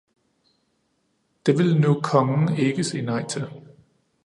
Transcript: Det ville nu kongen ikke sige nej til.